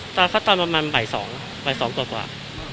ก็เจอตอนประมาณใบ๒กว่า